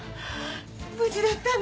無事だったの！